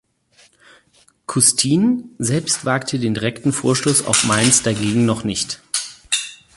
Custine selbst wagte den direkten Vorstoß auf Mainz dagegen noch nicht.